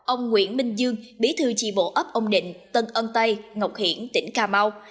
ông nguyễn minh dương bí thư tri bộ ấp ông định tân ân tây ngọc hiển tỉnh cà mau